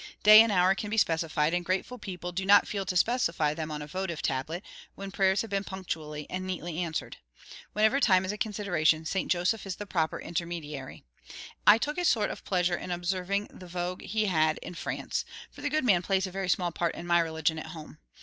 Day and hour can be specified; and grateful people do not fail to specify them on a votive tablet, when prayers have been punctually and neatly answered. Whenever time is a consideration, Saint Joseph is the proper intermediary. I took a sort of pleasure in observing the vogue he had in France, for the good man plays a very small part in my religion at home.